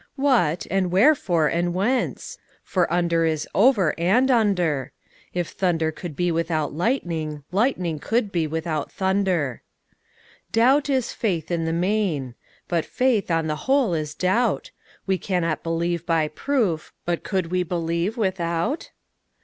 What, and wherefore, and whence? for under is over and under: If thunder could be without lightning, lightning could be without thunder. Doubt is faith in the main: but faith, on the whole, is doubt: We cannot believe by proof: but could we believe without?